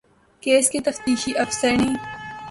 case کے تفتیشی افسر نے